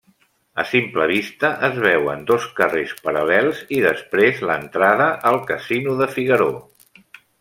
A simple vista es veuen dos carrers paral·lels i després l'entrada al casino de Figaró.